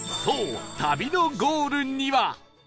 そう旅のゴールには